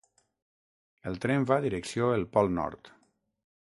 El tren va direcció el Pol Nord.